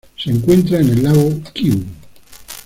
Se encuentra en el lago Kivu.